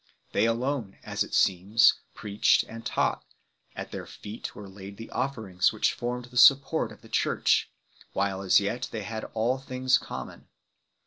They alone, as it seems, preached and taught; at their feet were laid the offerings which formed the support of the Church, while as yet they had all things common.